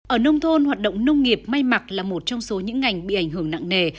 ở nông thôn hoạt động nông nghiệp may mặc là một trong số những ngành bị ảnh hưởng nặng nề